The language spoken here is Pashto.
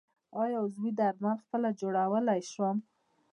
آیا عضوي درمل پخپله جوړولی شم؟